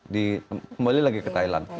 kembali lagi ke thailand